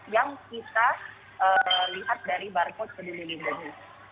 yang kita lihat dari barcode peduli lindungi